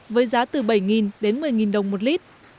với giá từ bảy đến một mươi đồng một lít